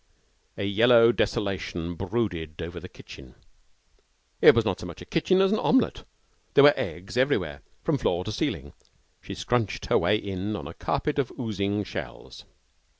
A yellow desolation brooded over the kitchen. It was not so much a kitchen as an omelette. There were eggs everywhere, from floor to ceiling. She crunched her way in on a carpet of oozing shells.